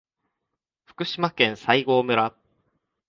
福島県西郷村